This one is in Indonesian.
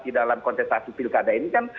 di dalam kontestasi pilkada ini kan